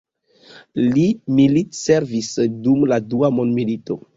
Li militservis dum la Dua Mondmilito.